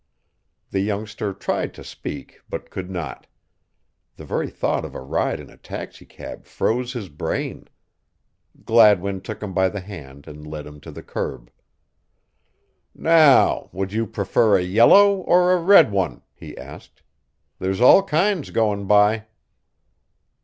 The youngster tried to speak, but could not. The very thought of a ride in a taxicab froze his brain. Gladwin took him by the hand and led him to the curb. "Now, would you prefer a yellow or a red one?" he asked. "There's all kinds going by."